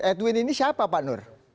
edwin ini siapa pak nur